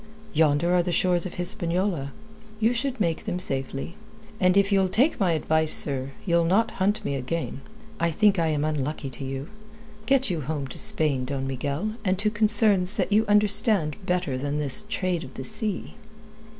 Yonder are the shores of Hispaniola. You should make them safely. And if you'll take my advice, sir, you'll not hunt me again. I think I am unlucky to you. Get you home to Spain, Don Miguel, and to concerns that you understand better than this trade of the sea."